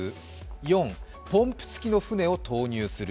４、ポンプ付きの船を投入する。